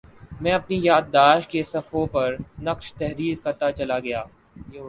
میں اپنی یادداشت کے صفحوں پر نقش تحریر کرتاچلا گیا